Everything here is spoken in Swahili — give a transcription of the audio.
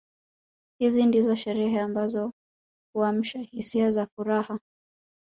Hizi ndizo sherehe ambazo huamsha hisia za furaha